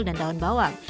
dan daun bawang